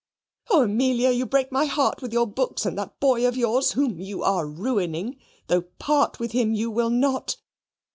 Oh, Amelia! you break my heart with your books and that boy of yours, whom you are ruining, though part with him you will not.